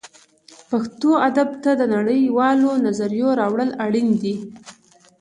پښتو ادب ته د نړۍ والو نظریو راوړل اړین دي